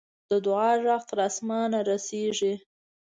د دعا ږغ تر آسمانه رسي.